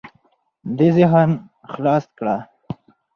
دې ذهن خلاص کړه.